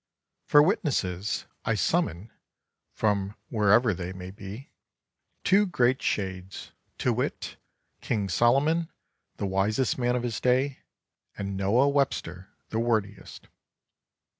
For witnesses, I summon (from wherever they may be) two great shades, to wit: King Solomon, the wisest man of his day, and Noah Webster, the wordiest.